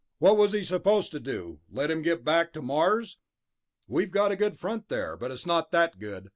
"What was he supposed to do, let him get back to Mars? We've got a good front there, but it's not that good.